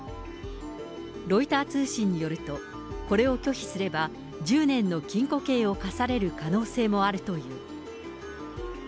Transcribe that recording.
ロイター通信によると、これを拒否すれば、１０年の禁錮刑を科される可能性もあるという。